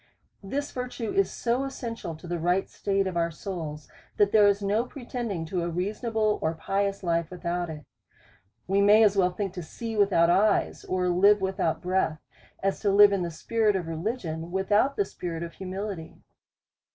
This virtue is so essential to the right state of our souls, that there is no pretending to a reasonable or pious life without it. We may as well think to see without eyes, or live without breath, as to live in the spirit of religion, without the spirit of humility.